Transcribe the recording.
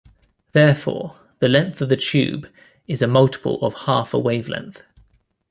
Therefore the length of the tube is a multiple of half a wavelength.